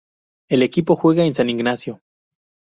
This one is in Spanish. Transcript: El equipo juega en San Ignacio.